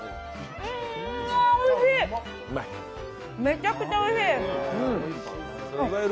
めちゃくちゃおいしい。